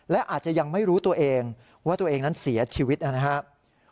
และอาจจะยังไม่รู้ตัวเองว่าตัวเองนั้นเสียชีวิตนะครับ